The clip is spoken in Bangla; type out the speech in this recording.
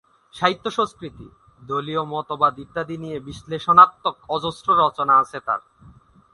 সাহিত্য সংস্কৃতি, দলীয় মতবাদ ইত্যাদি নিয়ে বিশ্লেষণাত্মক অজস্র রচনা আছে তার।